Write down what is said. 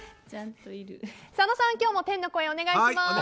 佐野さん、今日も天の声お願いします。